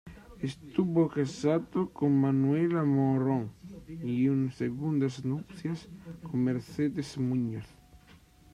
Estuvo casado con Manuela Morón y en segundas nupcias con Mercedes Muñoz.